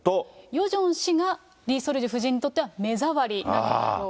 ヨジョン氏がリ・ソルジュ夫人にとっては目障りなんだろう。